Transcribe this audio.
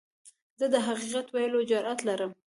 زه د حقیقت ویلو جرئت لرم.